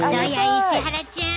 石原ちゃん。